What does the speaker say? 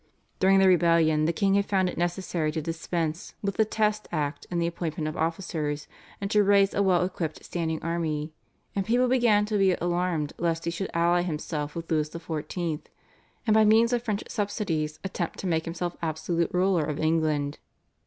During the rebellion the king had found it necessary to dispense with the Test Act in the appointment of officers, and to raise a well equipped standing army, and people began to be alarmed lest he should ally himself with Louis XIV., and by means of French subsidies attempt to make himself absolute ruler of England.